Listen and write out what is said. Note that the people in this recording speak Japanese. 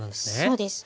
そうです。